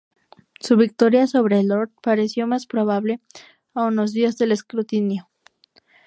Su victoria sobre Lord pareció más probable a unas días del escrutinio.